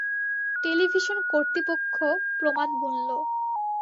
Television কর্তৃপক্ষ প্রমাদ গুনল।